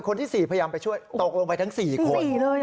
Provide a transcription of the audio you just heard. คนที่๔พยายามไปช่วยตกลงไปทั้ง๔คน